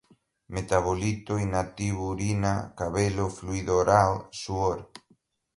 metabolito, inativo, urina, cabelo, fluído oral, suor